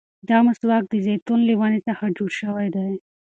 دا مسواک د زيتون له ونې څخه جوړ شوی دی.